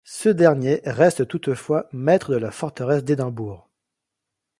Ce dernier reste toutefois maitre de la forteresse d'Édimbourg.